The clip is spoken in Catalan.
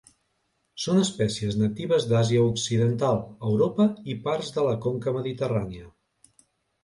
Són espècies natives d'Àsia occidental, Europa i parts de la conca mediterrània.